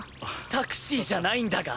タクシーじゃないんだが？